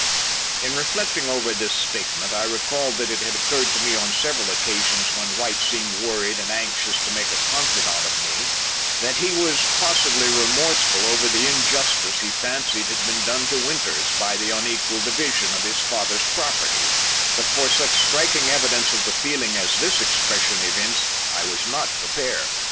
In reflecting over this statement, I recalled that it had occurred to me on several occasions when White seemed worried and anxious to make a confidant of me that he was possibly remorseful over the injustice he fancied had been done Winters by the unequal division of his father's property, but for such striking evidence of the feeling as this expression evinced, I was not prepared.